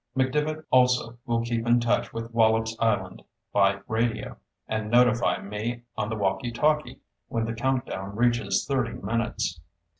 McDevitt also will keep in touch with Wallops Island by radio, and notify me on the walkie talkie when the countdown reaches thirty minutes."